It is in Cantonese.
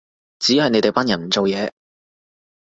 只係你哋班人唔做嘢